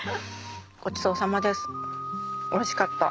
ごちそうさまですおいしかった。